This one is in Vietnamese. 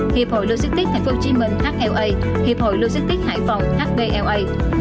hiệp hội logistics tp hcm hla hiệp hội logistics hải phòng hbla